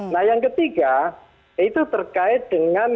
nah yang ketiga itu terkait dengan